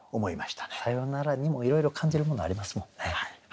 「さよなら」にもいろいろ感じるものありますもんね。